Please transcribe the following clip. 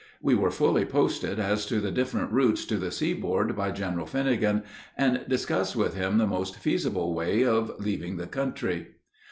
We were fully posted as to the different routes to the seaboard by General Finnegan, and discussed with him the most feasible way of leaving the country.